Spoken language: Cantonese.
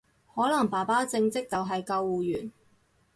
可能爸爸正職就係救護員